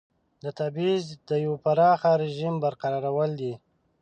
د تبعیض د یوه پراخ رژیم برقرارول دي.